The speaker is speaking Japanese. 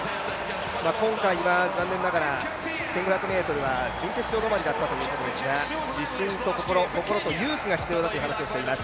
今回は残念ながら１５００ｍは準決勝止まりだったということですが、自信と心、心と勇気が必要だという話をしています。